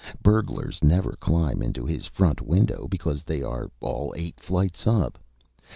Burglars never climb into his front window, because they are all eight flights up.